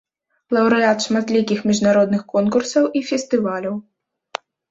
Лаўрэат шматлікіх міжнародных конкурсаў і фестываляў.